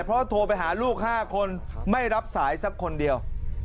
เพราะโทรไปหาลูก๕คนไม่รับสายสักคนเดียว